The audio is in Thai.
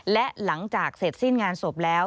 และหลังจากเสร็จสิ้นงานศพแล้ว